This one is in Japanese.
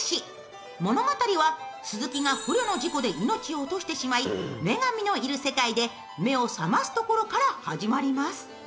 物語は鈴木が不慮の事故で命を落としてしまい、女神のいる世界で目を覚ますところから始まります。